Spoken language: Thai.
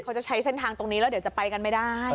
เขาจะใช้เส้นทางตรงนี้แล้วเดี๋ยวจะไปกันไม่ได้